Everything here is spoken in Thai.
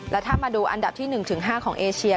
และถ้ามาดูอันดับที่๑๕ของเอเชีย